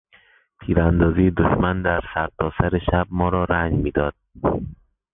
تیراندازی دشمن در سرتاسر شب ما را رنج میداد.